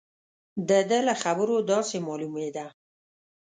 د ده له خبرو داسې معلومېده.